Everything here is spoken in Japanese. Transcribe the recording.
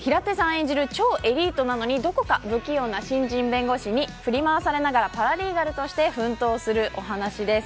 演じる超エリートなのにどこか不器用な新人弁護士に振り回されながらパラリーガルとして奮闘するお話です。